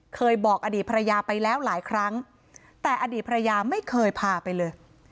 เคยบอกอดีตภรรยาไปแล้วหลายครั้งแต่อดีตภรรยาไม่เคยพาไปเลย